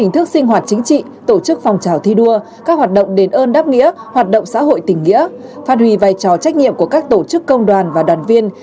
hình thức sinh hoạt chính trị tổ chức phòng trào thi đua các hoạt động đền ơn đáp nghĩa hoạt động xã hội tình nghĩa phát huy vai trò trách nhiệm của các tổ chức công đoàn và đoàn viên